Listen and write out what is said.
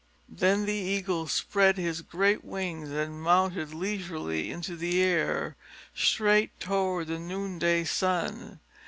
Then the Eagle spread his great wings and mounted leisurely into the air, straight toward the noonday sun.